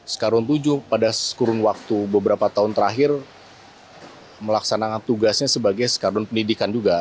squadron tujuh pada sekurang waktu beberapa tahun terakhir melaksanakan tugasnya sebagai squadron pendidikan juga